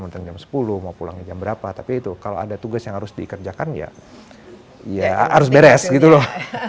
mau datang jam sembilan mau datang jam sepuluh mau pulang jam berapa tapi kalau ada tugas yang harus dikerjakan ya harus beres gitu loh